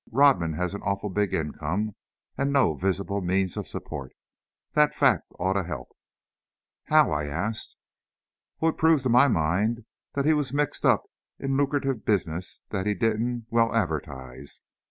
Rodman has an awful big income, and no visible means of support. That fact ought to help." "How?" I asked. "Oh, it proves to my mind that he was mixed up in lucrative business that he didn't well advertise.